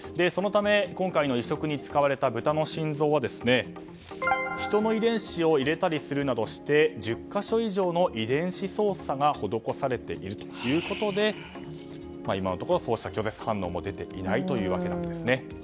そのため、今回の移植に使われた豚の心臓は人の遺伝子を入れたりするなどして１０か所以上の遺伝子操作が施されているということで今のところそうした拒絶反応も出ていないわけです。